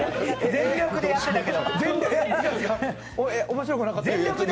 面白くなかった？